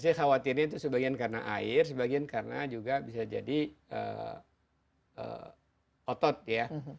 saya khawatirnya itu sebagian karena air sebagian karena juga bisa jadi otot ya